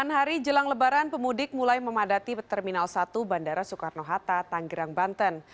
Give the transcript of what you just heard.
delapan hari jelang lebaran pemudik mulai memadati terminal satu bandara soekarno hatta tanggerang banten